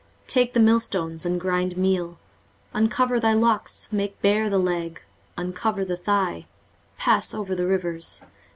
23:047:002 Take the millstones, and grind meal: uncover thy locks, make bare the leg, uncover the thigh, pass over the rivers.